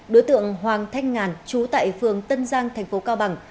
đối tượng hoàng thanh ngàn chú tại phường tân giang tp cao bằng